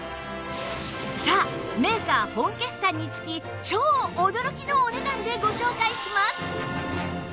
さあメーカー本決算につき超驚きのお値段でご紹介します